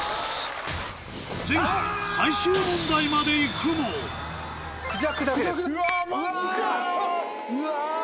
前回最終問題まで行くもうわ！